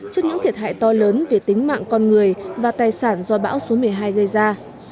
trước những thiệt hại to lớn về tính mạng con người và tài sản do bão số một mươi hai gây ra